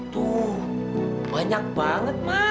tuh banyak banget ma